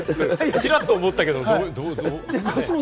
ちらっと思ったけれども、どう？